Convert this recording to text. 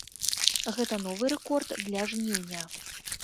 Гэта новы рэкорд для жніўня.